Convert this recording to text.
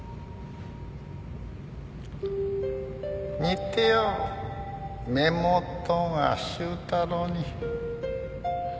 似ておる目元が周太郎に。